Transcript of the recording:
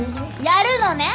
やるのね？